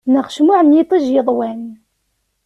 Neɣ cmuɛ n yiṭij yeḍwan.